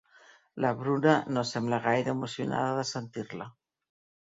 La Bruna no sembla gaire emocionada de sentir-la.